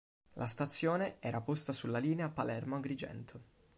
La stazione era posta sulla linea Palermo-Agrigento.